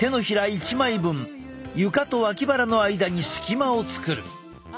１枚分床と脇腹の間に隙間を作る。